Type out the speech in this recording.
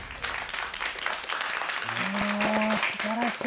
もうすばらしい。